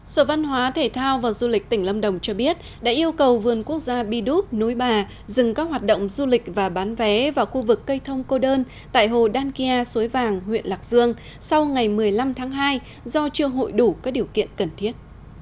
sở văn hóa thể thao và du lịch tỉnh lâm đồng cho biết đã yêu cầu vườn quốc gia bi đúc núi bà dừng các hoạt động du lịch và bán vé vào khu vực cây thông cô đơn tại hồ đan kia suối vàng huyện lạc dương sau ngày một mươi năm tháng hai do chưa hội đủ các điều kiện cần thiết